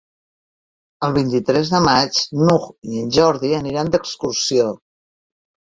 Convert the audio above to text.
El vint-i-tres de maig n'Hug i en Jordi aniran d'excursió.